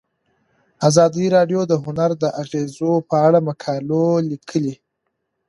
ازادي راډیو د هنر د اغیزو په اړه مقالو لیکلي.